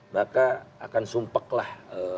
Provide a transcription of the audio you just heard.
maka akan sumpahlah